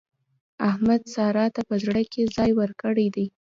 احمد سارا ته په زړه کې ځای ورکړی دی.